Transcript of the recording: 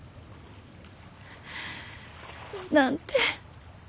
なんて